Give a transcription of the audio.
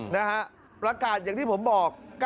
นะฮะประกาศอย่างที่ผมบอก